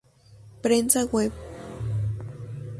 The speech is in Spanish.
Prensa Web